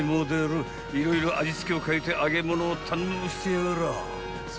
［色々味付けをかえて揚げ物を堪能してやがらぁ］